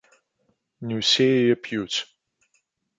Не ўсе яе п'юць.